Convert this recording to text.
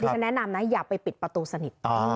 ฉันแนะนำนะอย่าไปปิดประตูสนิท